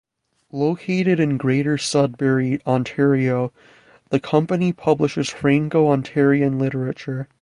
Located in Greater Sudbury, Ontario, the company publishes Franco-Ontarian literature.